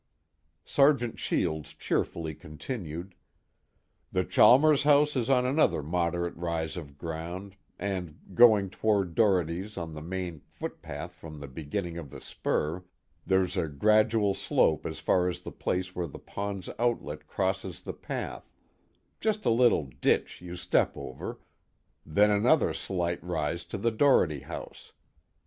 _ Sergeant Shields cheerfully continued: "The Chalmers house is on another moderate rise of ground, and going toward Dohertys' on the main footpath from the beginning of the spur, there's a gradual slope as far as the place where the pond's outlet crosses the path just a little ditch you step over; then another slight rise to the Doherty house.